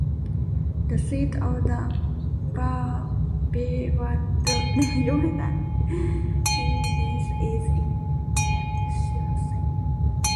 The seat of the "Verbandsgemeinde" is in Emmelshausen.